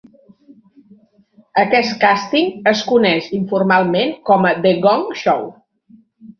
Aquest càsting es coneix informalment com a "The Gong Show".